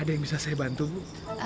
ada yang bisa saya bantu bu